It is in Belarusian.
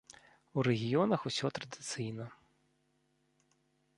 У рэгіёнах усё традыцыйна.